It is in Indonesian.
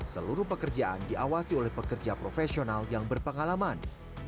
seluruh pekerjaan diawasi oleh pekerja profesional yang berpengalaman